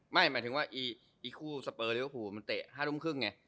ไม่หมายถึงว่ามันเตะถึง๕ตุ่มครึ่ง